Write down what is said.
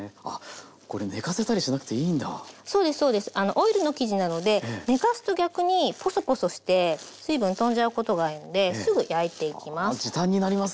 オイルの生地なので寝かすと逆にポソポソして水分飛んじゃうことがあるのですぐ焼いていきます。